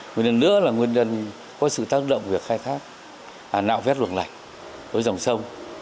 nguyên nhân nữa là nguyên nhân có sự tác động việc khai thác nạo vét luồng lạch với dòng sông